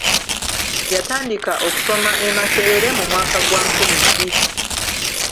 Yatandika okusoma e makerere mu mwaka gwa nkumi bbiri.